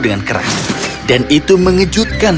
dengan keras dan itu mengejutkan